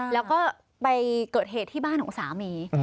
แล้วก็ไปเกิดเหตุที่บ้านของสามี